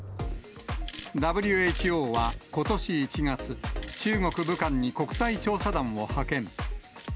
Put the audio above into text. ＷＨＯはことし１月、中国・武漢に国際調査団を派遣。